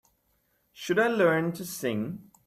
Should I learn to sing?